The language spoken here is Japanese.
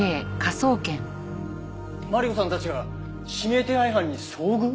マリコさんたちが指名手配犯に遭遇？